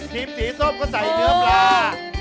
สีส้มก็ใส่เนื้อปลา